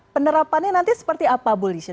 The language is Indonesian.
penerapannya nanti seperti apa bu lisya